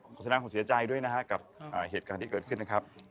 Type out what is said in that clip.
แสดงความเสียใจด้วยนะครับกับเหตุการณ์ที่เกิดขึ้นนะครับ